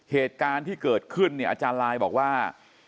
เหตุการณ์ที่เกิดขึ้นเนี่ยอาจารย์ลายบอกว่า